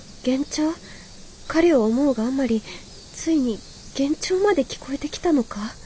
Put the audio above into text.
彼を思うがあまりついに幻聴まで聞こえてきたのか？